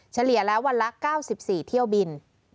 เฉลี่ยแล้ววันละ๙๔เที่ยวบิน